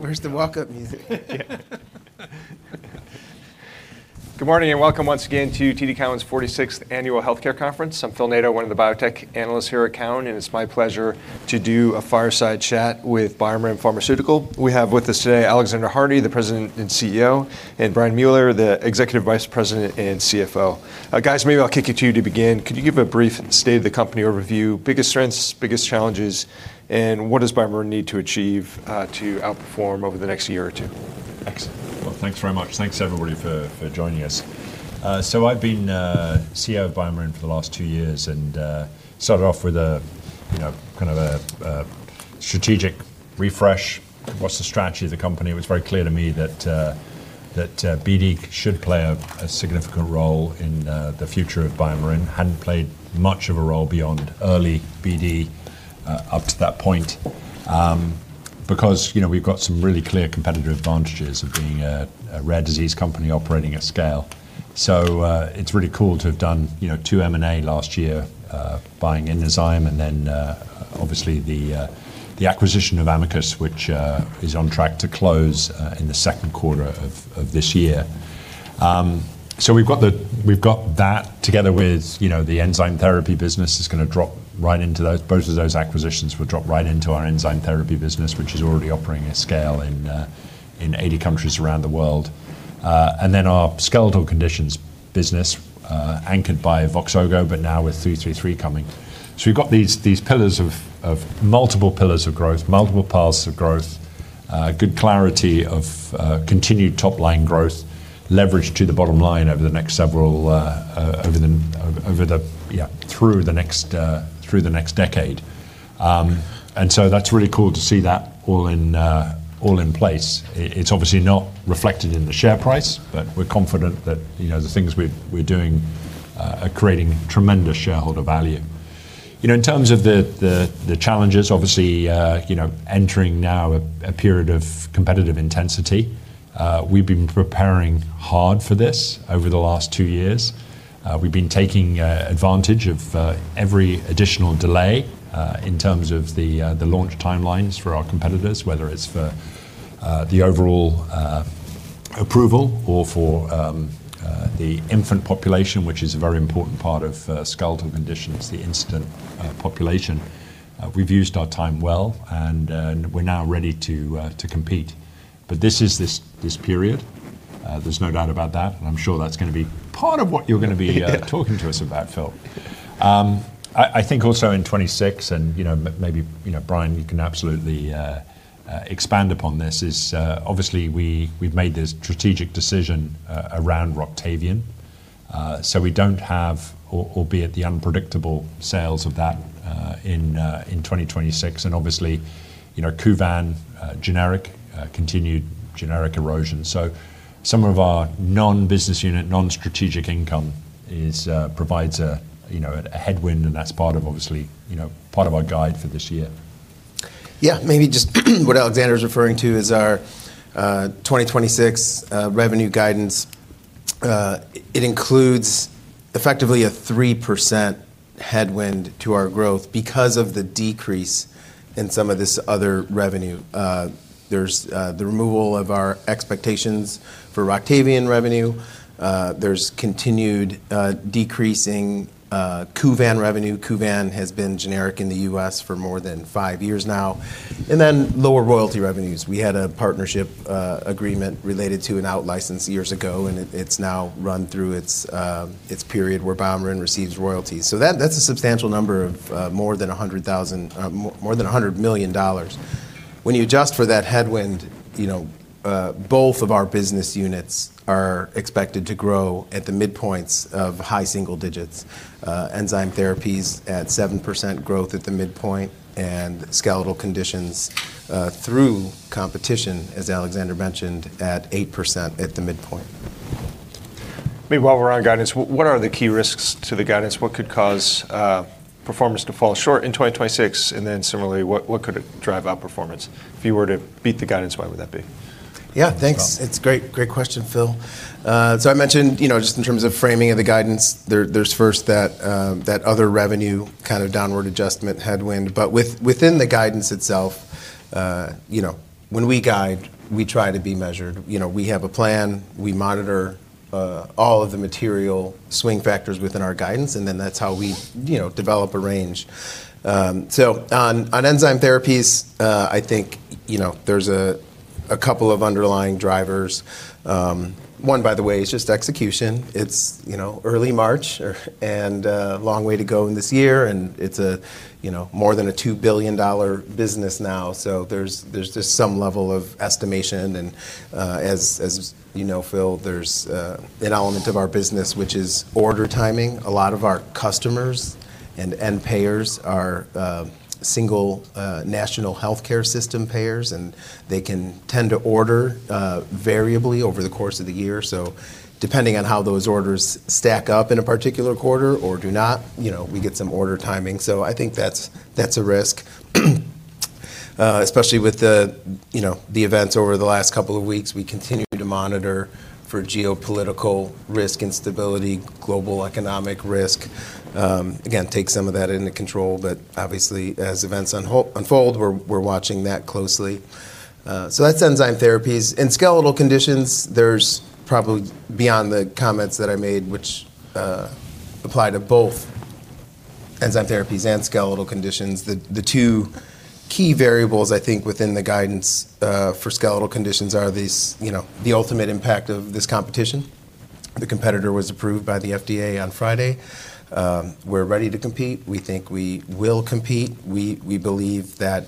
Where's the walk-up music? Good morning, welcome once again to TD Cowen's 46th Annual Healthcare Conference. I'm Phil Nadeau, one of the biotech analysts here at Cowen, and it's my pleasure to do a fireside chat with BioMarin Pharmaceutical. We have with us today Alexander Hardy, President and CEO, and Brian Mueller, Executive Vice President and CFO. Guys, maybe I'll kick it to you to begin. Could you give a brief state of the company overview, biggest strengths, biggest challenges, and what does BioMarin need to achieve to outperform over the next year or two? Thanks. Well, thanks very much. Thanks everybody for joining us. I've been CEO of BioMarin for the last two years and started off with a, you know, kind of a strategic refresh. What's the strategy of the company? It was very clear to me that BD should play a significant role in the future of BioMarin. Hadn't played much of a role beyond early BD up to that point, because, you know, we've got some really clear competitive advantages of being a rare disease company operating at scale. It's really cool to have done, you know, 2 M&A last year, buying Inozyme and then, obviously the acquisition of Amicus, which is on track to close in the Q2 of this year. We've got that together with, you know, the enzyme therapy business is gonna drop right into those. Both of those acquisitions will drop right into our enzyme therapy business, which is already operating at scale in 80 countries around the world. Then our skeletal conditions business, anchored by Voxzogo, but now with 333 coming. We've got these pillars of multiple pillars of growth, multiple paths of growth, good clarity of continued top-line growth, leverage to the bottom line over the next several, over the, yeah, through the next decade. That's really cool to see that all in all in place. It's obviously not reflected in the share price, but we're confident that, you know, the things we're doing are creating tremendous shareholder value. You know, in terms of the challenges, obviously, you know, entering now a period of competitive intensity, we've been preparing hard for this over the last two years. We've been taking advantage of every additional delay in terms of the launch timelines for our competitors, whether it's for the overall approval or for the infant population, which is a very important part of skeletal conditions, the infant population. We've used our time well, and we're now ready to compete. This is this period. There's no doubt about that, and I'm sure that's gonna be part of what you're gonna be talking to us about, Phil Nadeau. I think also in 2026 and, you know, maybe, you know, Brian, you can absolutely expand upon this, is obviously we've made this strategic decision around ROCTAVIAN. We don't have or be at the unpredictable sales of that in 2026 and obviously, you know, KUVAN generic continued generic erosion. Some of our non-business unit, non-strategic income provides a, you know, a headwind and that's part of obviously, you know, part of our guide for this year. Yeah. Maybe just what Alexander is referring to is our 2026 revenue guidance. It includes effectively a 3% headwind to our growth because of the decrease in some of this other revenue. There's the removal of our expectations for ROCTAVIAN revenue. There's continued decreasing Kuvan revenue. Kuvan has been generic in the U.S. for more than five years now. Lower royalty revenues. We had a partnership agreement related to an out-license years ago, and it's now run through its period where BioMarin receives royalties. That, that's a substantial number of more than $100,000, more than $100 million. When you adjust for that headwind, you know, both of our business units are expected to grow at the midpoints of high single digits, enzyme therapies at 7% growth at the midpoint and skeletal conditions, through competition, as Alexander mentioned, at 8% at the midpoint. I mean, while we're on guidance, what are the key risks to the guidance? What could cause performance to fall short in 2026? Then similarly, what could drive outperformance? If you were to beat the guidance, why would that be? Yeah, thanks. It's great. Great question, Phil. I mentioned, you know, just in terms of framing of the guidance, there's first that other revenue kind of downward adjustment headwind. Within the guidance itself, you know, when we guide, we try to be measured. You know, we have a plan, we monitor all of the material swing factors within our guidance, that's how we, you know, develop a range. On enzyme therapies, I think, you know, there's a couple of underlying drivers. One, by the way, is just execution. It's, you know, early March, long way to go in this year, and it's a, you know, more than a $2 billion business now. There's just some level of estimation, and as you know, Phil, there's an element of our business which is order timing. A lot of our customers and payers are single national healthcare system payers, and they can tend to order variably over the course of the year. Depending on how those orders stack up in a particular quarter or do not, you know, we get some order timing. I think that's a risk. Especially with the, you know, the events over the last couple of weeks, we continue to monitor for geopolitical risk instability, global economic risk. Again, take some of that into control, but obviously, as events unfold, we're watching that closely. That's enzyme therapies. In skeletal conditions, there's probably beyond the comments that I made, which apply to both enzyme therapies and skeletal conditions. The two key variables, I think, within the guidance for skeletal conditions are these, you know, the ultimate impact of this competition. The competitor was approved by the FDA on Friday. We're ready to compete. We think we will compete. We believe that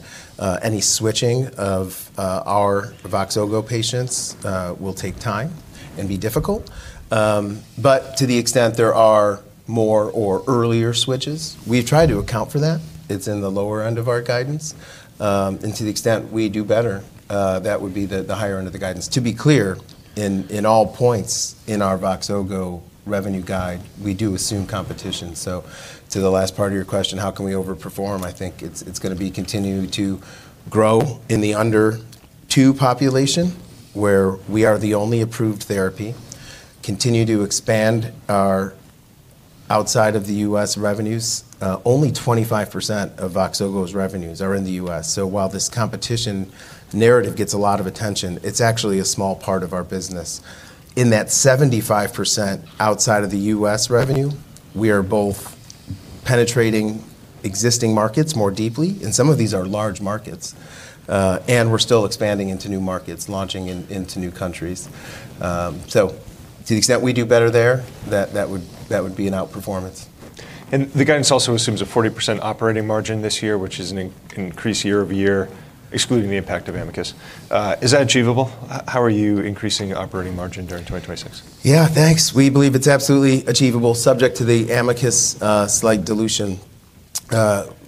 any switching of our Voxzogo patients will take time and be difficult. To the extent there are more or earlier switches, we've tried to account for that. It's in the lower end of our guidance. To the extent we do better, that would be the higher end of the guidance. To be clear, in all points in our Voxzogo revenue guide, we do assume competition. To the last part of your question, how can we overperform? I think it's gonna be continuing to grow in the under two population where we are the only approved therapy, continue to expand our outside of the U.S. revenues. Only 25% of Voxzogo's revenues are in the U.S. While this competition narrative gets a lot of attention, it's actually a small part of our business. In that 75% outside of the U.S. revenue, we are both penetrating existing markets more deeply, and some of these are large markets, and we're still expanding into new markets, launching into new countries. To the extent we do better there, that would be an outperformance. The guidance also assumes a 40% operating margin this year, which is an increase year-over-year, excluding the impact of Amicus. Is that achievable? How are you increasing operating margin during 2026? Yeah, thanks. We believe it's absolutely achievable subject to the Amicus slight dilution.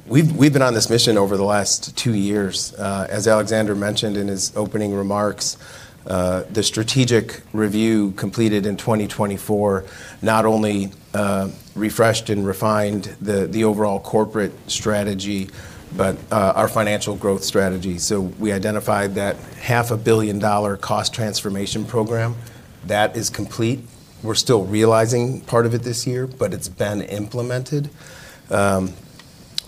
We've been on this mission over the last two years. As Alexander mentioned in his opening remarks, the strategic review completed in 2024 not only refreshed and refined the overall corporate strategy, but our financial growth strategy. We identified that $0.5 billion Cost transformation program, that is complete. We're still realizing part of it this year, but it's been implemented.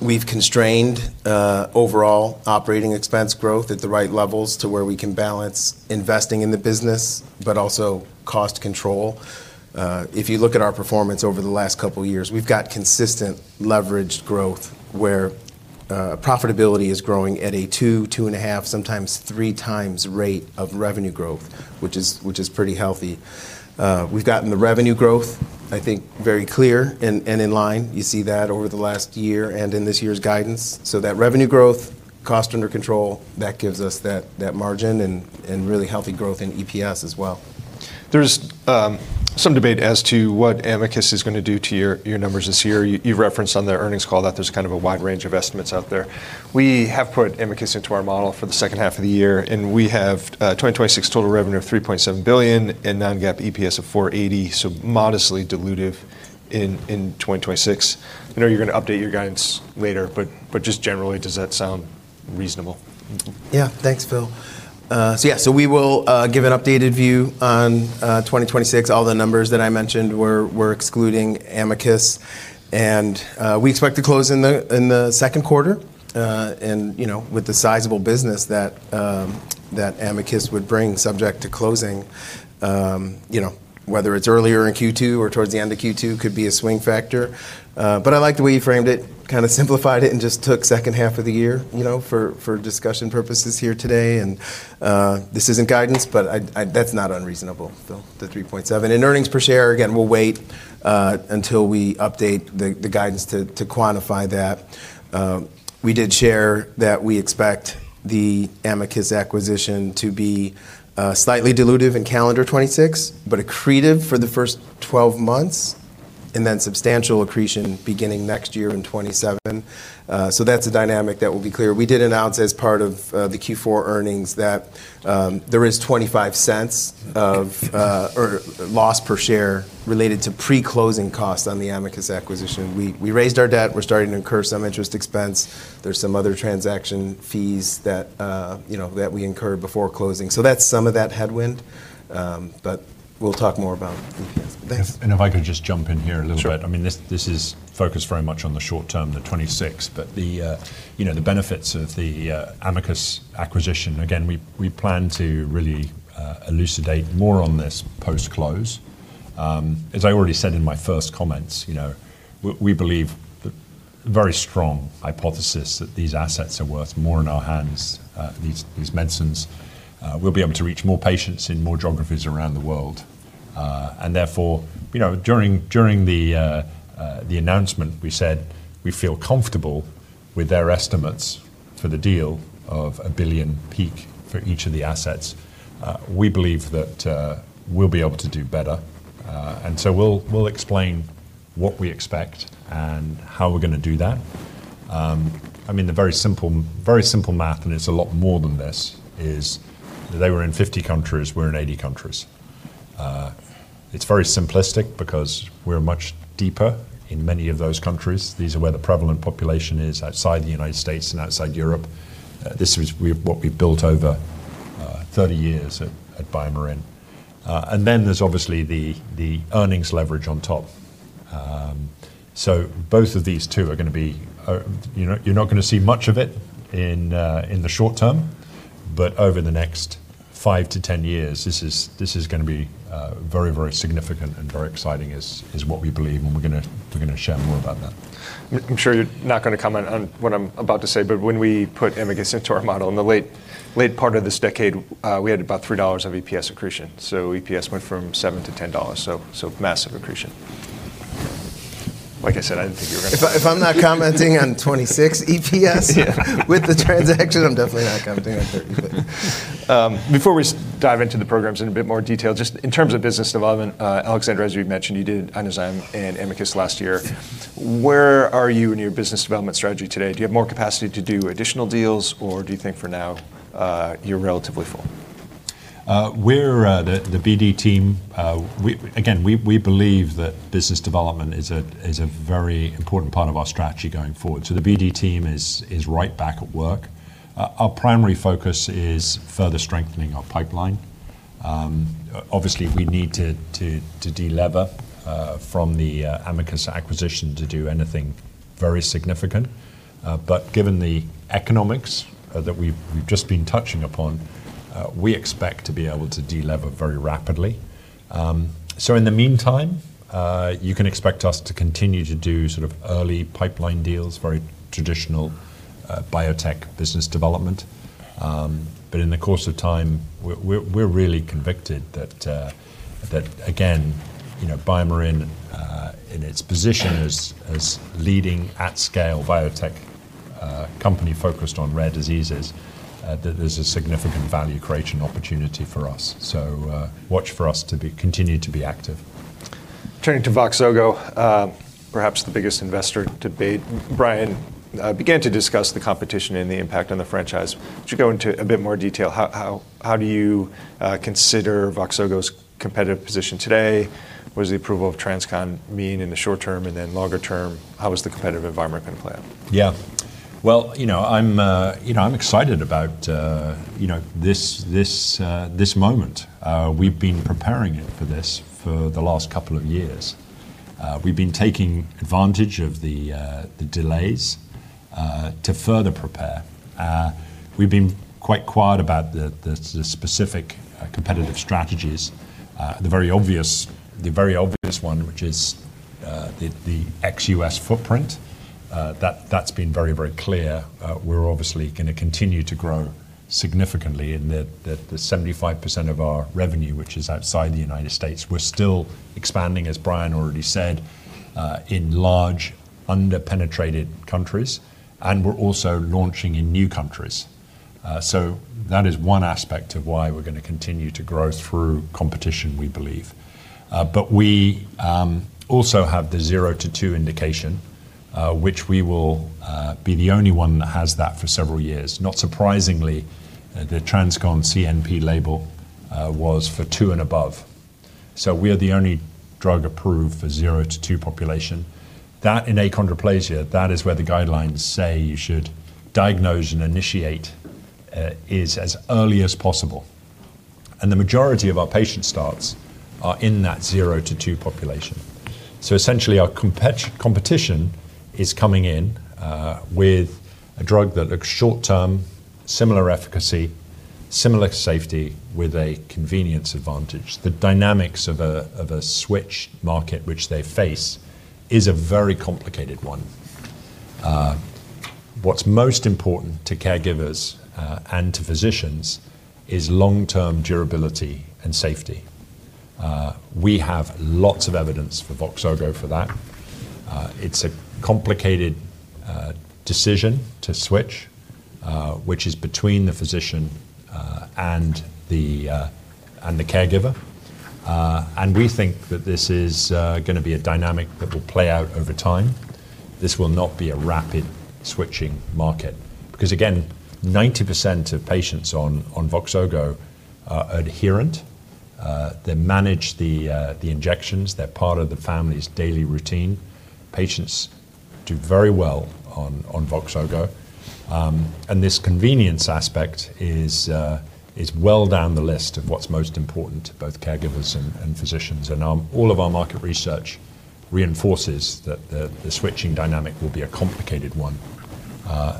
We've constrained overall operating expense growth at the right levels to where we can balance investing in the business, but also cost control. If you look at our performance over the last couple years, we've got consistent leveraged growth where profitability is growing at a 2x, 2.5x, sometimes 3x rate of revenue growth, which is pretty healthy. We've gotten the revenue growth, I think, very clear and in line. You see that over the last year and in this year's guidance. That revenue growth, cost under control, that gives us that margin and really healthy growth in EPS as well. There's some debate as to what Amicus is gonna do to your numbers this year. You referenced on the earnings call that there's kind of a wide range of estimates out there. We have put Amicus into our model for the second half of the year, we have 2026 total revenue of $3.7 billion and non-GAAP EPS of $4.80, so modestly dilutive in 2026. I know you're gonna update your guidance later, just generally, does that sound reasonable? Yeah. Thanks, Phil. We will give an updated view on 2026. All the numbers that I mentioned were excluding Amicus. We expect to close in the Q2. You know, with the sizable business that Amicus would bring subject to closing, you know, whether it's earlier in Q2 or towards the end of Q2 could be a swing factor. I like the way you framed it, kinda simplified it, and just took H2 of the year, you know, for discussion purposes here today. This isn't guidance, but that's not unreasonable, Phil, the $3.7 in earnings per share. Again, we'll wait until we update the guidance to quantify that. We did share that we expect the Amicus acquisition to be slightly dilutive in calendar 2026, but accretive for the first 12 months, and then substantial accretion beginning next year in 2027. That's a dynamic that will be clear. We did announce as part of the Q4 earnings that there is $0.25 of or loss per share related to pre-closing costs on the Amicus acquisition. We raised our debt. We're starting to incur some interest expense. There's some other transaction fees that, you know, that we incurred before closing. That's some of that headwind, but we'll talk more about it in advance. Thanks. If I could just jump in here a little bit. Sure. I mean, this is focused very much on the short term, the 2026. The, you know, the benefits of the Amicus acquisition, again, we plan to really elucidate more on this post-close. As I already said in my first comments, you know, we believe the very strong hypothesis that these assets are worth more in our hands, these medicines. We'll be able to reach more patients in more geographies around the world. Therefore, you know, during the announcement, we said we feel comfortable with their estimates for the deal of $1 billion peak for each of the assets. We believe that we'll be able to do better. We'll explain what we expect and how we're gonna do that. I mean, the very simple, very simple math, and it's a lot more than this, is they were in 50 countries, we're in 80 countries. It's very simplistic because we're much deeper in many of those countries. These are where the prevalent population is outside the United States and outside Europe. This is what we've built over 30 years at BioMarin. There's obviously the earnings leverage on top. Both of these two are gonna be, you know, you're not gonna see much of it in the short term, but over the next five years-10 years, this is gonna be very, very significant and very exciting is what we believe, and we're gonna share more about that. I'm sure you're not gonna comment on what I'm about to say, when we put Amicus into our model in the late part of this decade, we had about $3 of EPS accretion. EPS went from $7-$10, so massive accretion. Like I said, I didn't think you were. If I'm not commenting on 2026 EPS Yeah with the transaction, I'm definitely not commenting on 30. Before we dive into the programs in a bit more detail, just in terms of business development, Alexander, as we've mentioned, you did Inozyme and Amicus last year. Where are you in your business development strategy today? Do you have more capacity to do additional deals, or do you think for now, you're relatively full? We're the BD team, again, we believe that business development is a very important part of our strategy going forward. The BD team is right back at work. Our primary focus is further strengthening our pipeline. Obviously, we need to delever from the Amicus acquisition to do anything very significant. Given the economics that we've just been touching upon, we expect to be able to delever very rapidly. In the meantime, you can expect us to continue to do sort of early pipeline deals, very traditional biotech business development. In the course of time, we're really convicted that again, you know, BioMarin, in its position as leading at scale biotech, company focused on rare diseases, that there's a significant value creation opportunity for us. Watch for us to be continue to be active. Turning to Voxzogo, perhaps the biggest investor debate. Brian began to discuss the competition and the impact on the franchise. Would you go into a bit more detail? How do you consider Voxzogo's competitive position today? What does the approval of TransCon mean in the short term, and then longer term, how is the competitive environment gonna play out? Yeah. Well, you know, I'm, you know, I'm excited about, you know, this, this moment. We've been preparing for this for the last couple of years. We've been taking advantage of the delays to further prepare. We've been quite quiet about the specific competitive strategies. The very obvious one, which is the ex-US footprint, that's been very, very clear. We're obviously gonna continue to grow significantly in the 75% of our revenue, which is outside the United States. We're still expanding, as Brian already said, in large, under-penetrated countries, and we're also launching in new countries. That is one aspect of why we're gonna continue to grow through competition, we believe. We also have the zero to two indication, which we will be the only one that has that for several years. Not surprisingly, the TransCon CNP label was for two and above. We are the only drug approved for zero to two population. That in achondroplasia, that is where the guidelines say you should diagnose and initiate as early as possible. The majority of our patient starts are in that zero to two population. Essentially, our competition is coming in with a drug that looks short term, similar efficacy, similar safety with a convenience advantage. The dynamics of a switch market which they face is a very complicated one. What's most important to caregivers and to physicians is long-term durability and safety. We have lots of evidence for Voxzogo for that. It's a complicated decision to switch, which is between the physician and the caregiver. We think that this is gonna be a dynamic that will play out over time. This will not be a rapid switching market because again, 90% of patients on Voxzogo are adherent. They manage the injections. They're part of the family's daily routine. Patients do very well on Voxzogo. This convenience aspect is well down the list of what's most important to both caregivers and physicians. All of our market research reinforces that the switching dynamic will be a complicated one,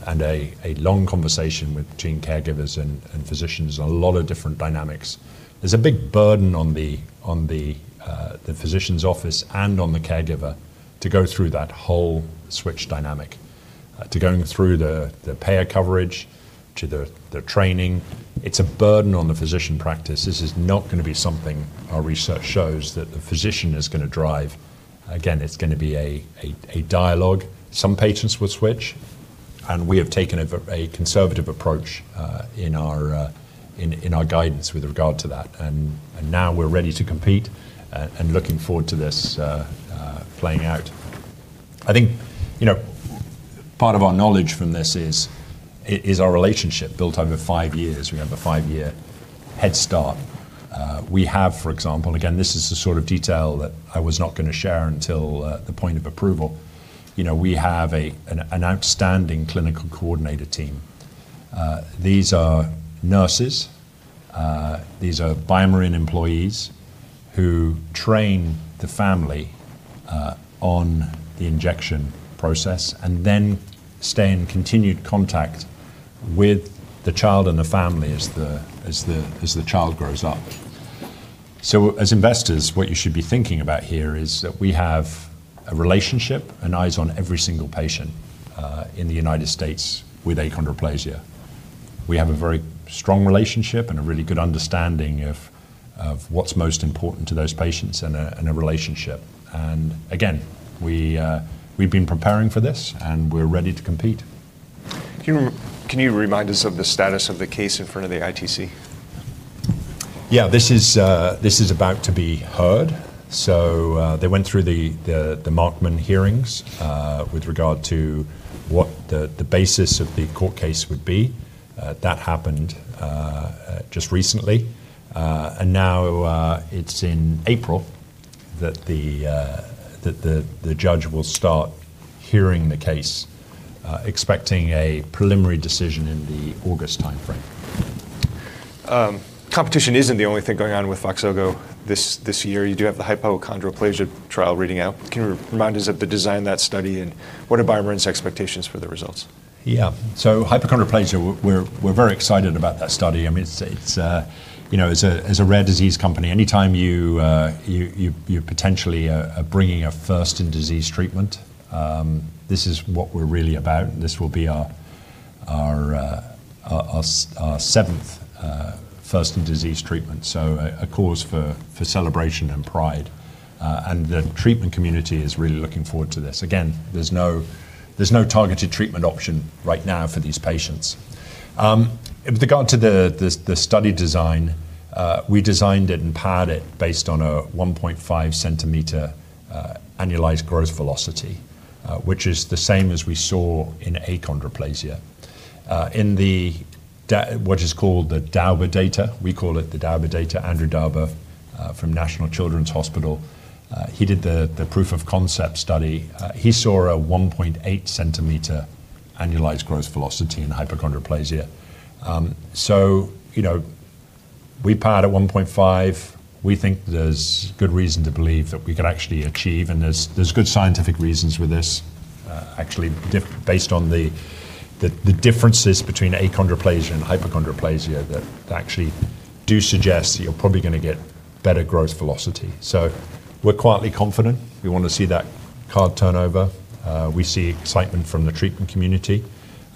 and a long conversation between caregivers and physicians and a lot of different dynamics. There's a big burden on the, on the physician's office and on the caregiver to go through that whole switch dynamic, to going through the payer coverage to the training. It's a burden on the physician practice. This is not gonna be something our research shows that the physician is gonna drive. Again, it's gonna be a, a dialogue. Some patients will switch. We have taken a conservative approach in our, in our guidance with regard to that. Now we're ready to compete, and looking forward to this playing out. I think, you know. Part of our knowledge from this is our relationship built over five years. We have a five-year head start. We have, for example, again, this is the sort of detail that I was not gonna share until the point of approval. You know, we have an outstanding clinical coordinator team. These are nurses, these are BioMarin employees who train the family on the injection process and then stay in continued contact with the child and the family as the child grows up. As investors, what you should be thinking about here is that we have a relationship and eyes on every single patient in the United States with achondroplasia. We have a very strong relationship and a really good understanding of what's most important to those patients in a relationship. Again, we've been preparing for this, and we're ready to compete. Can you remind us of the status of the case in front of the ITC? Yeah. This is, this is about to be heard. They went through the Markman hearings with regard to what the basis of the court case would be. That happened just recently. Now, it's in April that the judge will start hearing the case, expecting a preliminary decision in the August timeframe. Competition isn't the only thing going on with Voxzogo this year. You do have the hypochondroplasia trial reading out. Can you remind us of the design of that study, and what are BioMarin's expectations for the results? Hypochondroplasia, we're very excited about that study. I mean, it's, you know, as a rare disease company, anytime you're potentially bringing a first-in-disease treatment, this is what we're really about, and this will be our seventh first-in-disease treatment, so a cause for celebration and pride. The treatment community is really looking forward to this. Again, there's no targeted treatment option right now for these patients. With regard to the study design, we designed it and powered it based on a 1.5 centimeter annualized growth velocity, which is the same as we saw in achondroplasia. In what is called the Dauber data, we call it the Dauber data, Andrew Dauber, from Children's National Hospital, he did the proof of concept study. He saw a 1.8 centimeter annualized growth velocity in hypochondroplasia. You know, we powered at 1.5. We think there's good reason to believe that we could actually achieve, good scientific reasons for this, actually based on the differences between achondroplasia and hypochondroplasia that actually do suggest that you're probably gonna get better growth velocity. We're quietly confident. We wanna see that card turnover. We see excitement from the treatment community.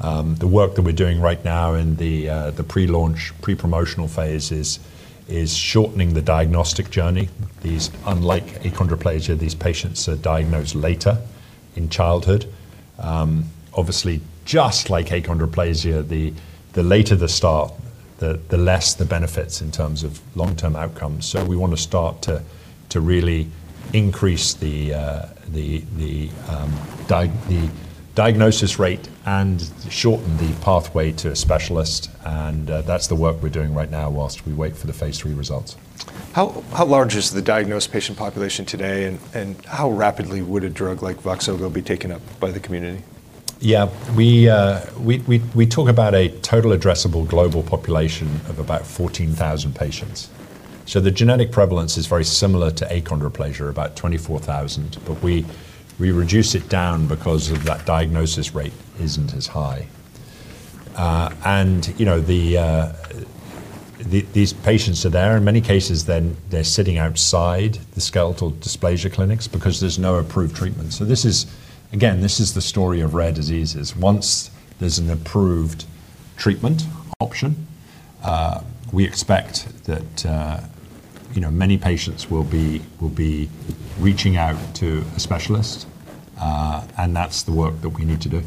The work that we're doing right now in the pre-launch, pre-promotional phase is shortening the diagnostic journey. These, unlike achondroplasia, these patients are diagnosed later in childhood. Obviously, just like achondroplasia, the later the start, the less the benefits in terms of long-term outcomes. We wanna start to really increase the diagnosis rate and shorten the pathway to a specialist, and, that's the work we're doing right now whilst we wait for the phase three results. How large is the diagnosed patient population today and how rapidly would a drug like Voxzogo be taken up by the community? Yeah. We talk about a total addressable global population of about 14,000 patients. The genetic prevalence is very similar to achondroplasia, about 24,000, but we reduce it down because of that diagnosis rate isn't as high. You know, these patients are there. In many cases then they're sitting outside the skeletal dysplasia clinics because there's no approved treatment. This is, again, this is the story of rare diseases. Once there's an approved treatment option, we expect that, you know, many patients will be reaching out to a specialist, that's the work that we need to do.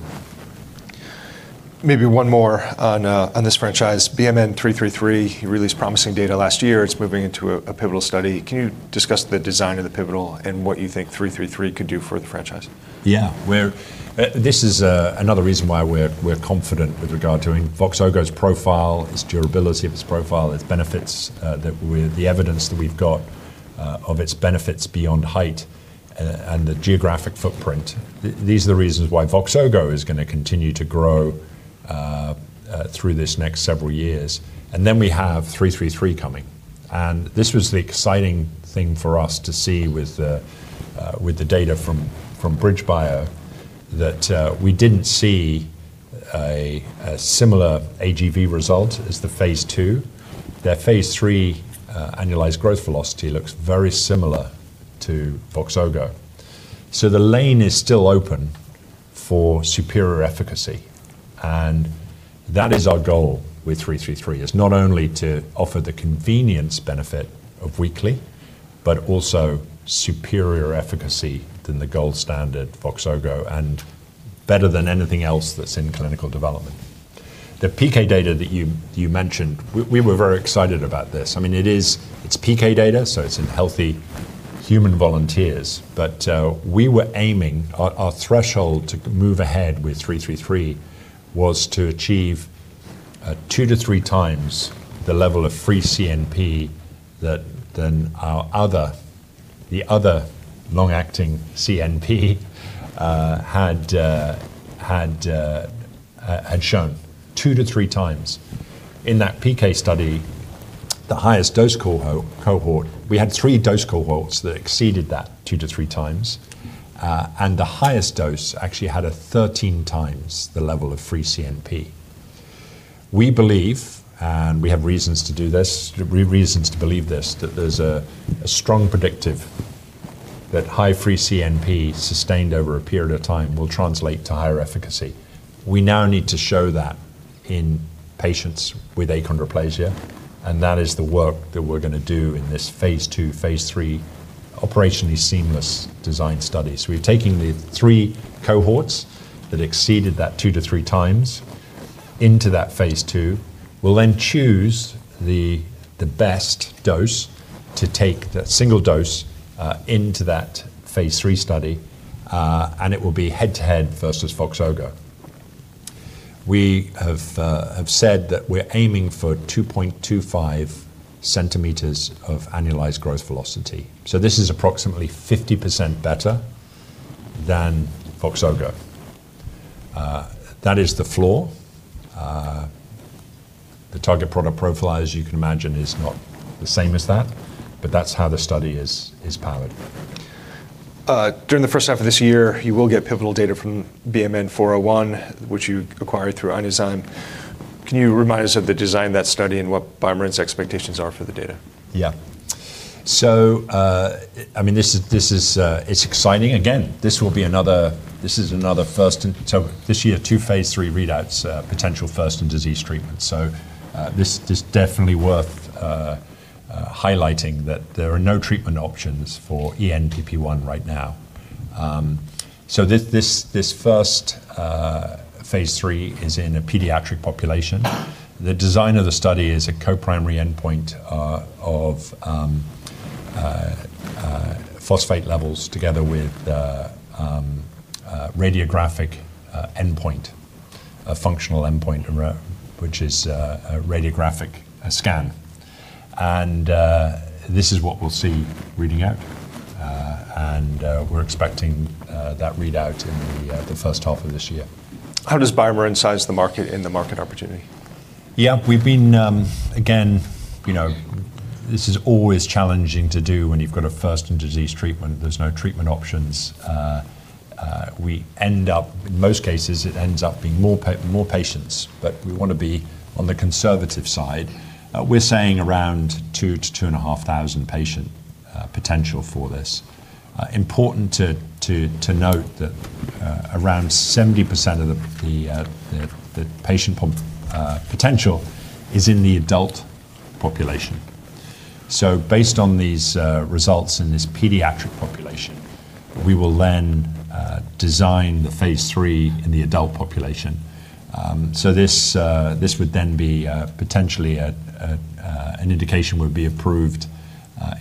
Maybe one more on this franchise. BMN 333, you released promising data last year. It's moving into a pivotal study. Can you discuss the design of the pivotal and what you think BMN333 could do for the franchise? Yeah. This is another reason why we're confident with regard to Voxzogo's profile, its durability of its profile, its benefits, that with the evidence that we've got, of its benefits beyond height, and the geographic footprint. These are the reasons why Voxzogo is going to continue to grow through this next several years. We have BMN 333 coming, and this was the exciting thing for us to see with the data from BridgeBio that we didn't see a similar AGV result as the phase II. Their phase III annualized growth velocity looks very similar to Voxzogo. The lane is still open for superior efficacy, and that is our goal with BMN 333, is not only to offer the convenience benefit of weekly, but also superior efficacy than the gold standard Voxzogo and better than anything else that's in clinical development. The PK data that you mentioned, we were very excited about this. I mean, It's PK data, so it's in healthy human volunteers. Our threshold to move ahead with 333 was to achieve 2x-3x the level of free CNP than the other long-acting CNP had shown. 2x-3x. In that PK study, the highest dose cohort, we had three dose cohorts that exceeded that 2x-3x. The highest dose actually had a 13x the level of free CNP. We believe, and we have reasons to do this, reasons to believe this, that there's a strong predictive that high free CNP sustained over a period of time will translate to higher efficacy. We now need to show that in patients with achondroplasia, and that is the work that we're gonna do in this phase II/III operationally seamless design study. We're taking the three cohorts that exceeded that 2x-3x into that phase II. We'll then choose the best dose to take, the single dose, into that phase III study. It will be head-to-head versus Voxzogo. We have said that we're aiming for 2.25 centimeters of annualized growth velocity. This is approximately 50% better than Voxzogo. That is the floor. The target product profile, as you can imagine, is not the same as that, but that's how the study is powered. During the H1 of this year, you will get pivotal data from BMN 401, which you acquired through Inozyme. Can you remind us of the design of that study and what BioMarin's expectations are for the data? Yeah. I mean, this is, it's exciting. Again, this is another first. This year, two phase III readouts, potential first in disease treatment. This is definitely worth highlighting that there are no treatment options for ENPP1 right now. This first phase III is in a pediatric population. The design of the study is a co-primary endpoint of phosphate levels together with radiographic endpoint, a functional endpoint, which is a radiographic scan. This is what we'll see reading out. We're expecting that readout in the H1 of this year. How does BioMarin size the market and the market opportunity? Yeah. We've been, again, you know, this is always challenging to do when you've got a first in disease treatment. There's no treatment options. In most cases, it ends up being more patients, but we wanna be on the conservative side. We're saying around 2,000 patient-2,500 patient potential for this. Important to note that around 70% of the patient potential is in the adult population. Based on these results in this pediatric population, we will then design the phase III in the adult population. This would then be potentially an indication would be approved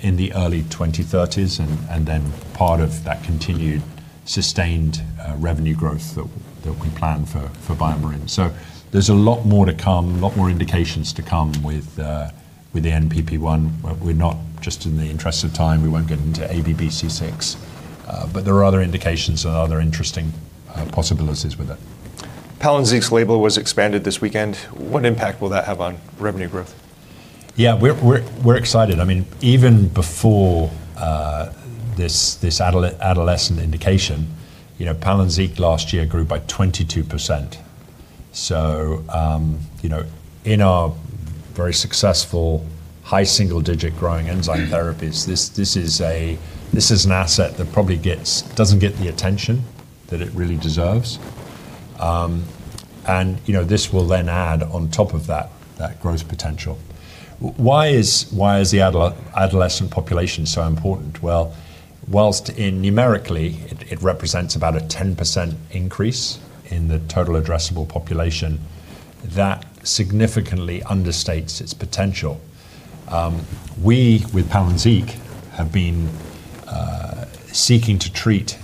in the early 2030s, then part of that continued sustained revenue growth we plan for BioMarin. There's a lot more to come, a lot more indications to come with the ENPP1. Just in the interest of time, we won't get into ABCC6, but there are other indications and other interesting possibilities with it. Palynziq's label was expanded this weekend. What impact will that have on revenue growth? Yeah. We're excited. I mean, even before this adolescent indication, you know, Palynziq last year grew by 22%. You know, in our very successful high single-digit growing enzyme therapies, this is an asset that probably doesn't get the attention that it really deserves. You know, this will then add on top of that growth potential. Why is the adolescent population so important? Well, whilst in numerically it represents about a 10% increase in the total addressable population, that significantly understates its potential. We, with Palynziq, have been seeking to treat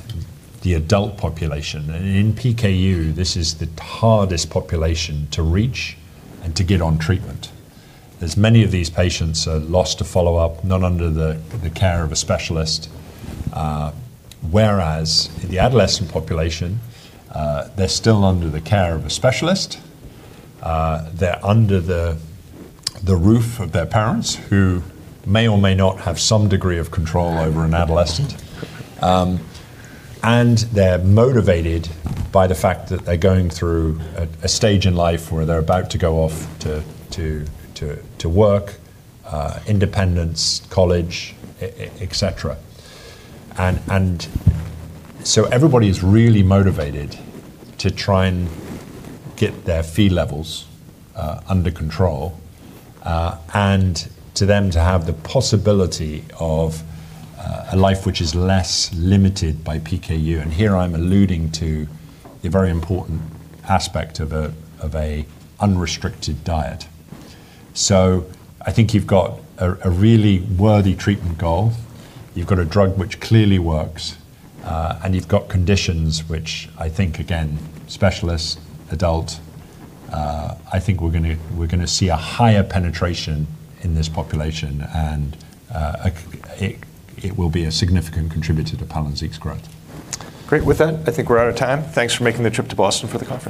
the adult population. In PKU, this is the hardest population to reach and to get on treatment, as many of these patients are lost to follow-up, not under the care of a specialist. Whereas in the adolescent population, they're still under the care of a specialist, they're under the roof of their parents who may or may not have some degree of control over an adolescent, and they're motivated by the fact that they're going through a stage in life where they're about to go off to work, independence, college, et cetera. Everybody's really motivated to try and get their Phe levels under control, and to them to have the possibility of a life which is less limited by PKU. Here I'm alluding to a very important aspect of a unrestricted diet. I think you've got a really worthy treatment goal. You've got a drug which clearly works, and you've got conditions which I think, again, specialists, adult, I think we're gonna see a higher penetration in this population, and, it will be a significant contributor to Palynziq's growth. Great. With that, I think we're out of time. Thanks for making the trip to Boston for the conference.